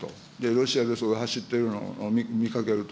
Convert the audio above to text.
ロシアでそれが走ってるのを見かけると。